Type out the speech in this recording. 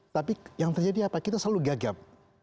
tapi yang terjadi apa kita selalu gagap